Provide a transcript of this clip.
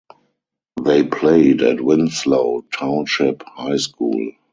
They played at Winslow Township High School.